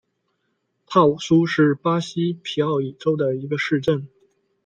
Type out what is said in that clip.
帕武苏是巴西皮奥伊州的一个市镇。